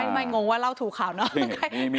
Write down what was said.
ไม่งงว่าเล่าถูกข่าวเนอะ